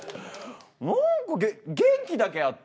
なんか元気だけあって。